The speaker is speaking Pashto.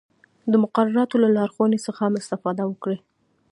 د مقرراتو له لارښوونو څخه هم استفاده وکړئ.